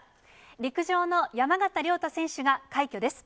陸上の山縣亮太選手が快挙です。